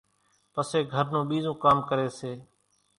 پسي گھر نون ٻِيزون ڪام ڪري سي